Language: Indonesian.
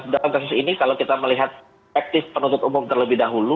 dalam kasus ini kalau kita melihat perspektif penuntut umum terlebih dahulu